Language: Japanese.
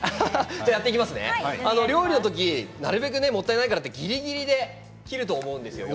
料理の時になるべくもったいないからってぎりぎりで切ると思うんですよ。